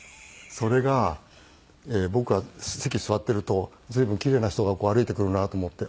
それが僕が席に座ってると随分奇麗な人が歩いてくるなと思って。